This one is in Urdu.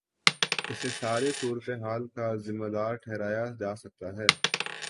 اسے ساری صورت حال کا ذمہ دار ٹھہرایا جا سکتا ہے۔